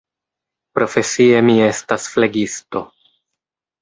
Profesie mi estas flegisto.